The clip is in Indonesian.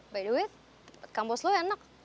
by the way kampus lu enak